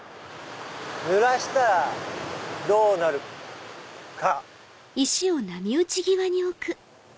ぬらしたらどうなるか？